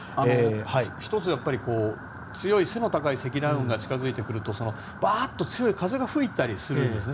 １つ、強い背の高い積乱雲が近づいてくるとバーっと強い風が吹いたりするんですね。